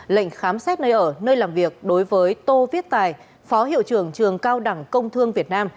lệnh khám xét nơi ở nơi làm việc đối với tô viết tài phó hiệu trưởng trường cao đẳng công thương việt nam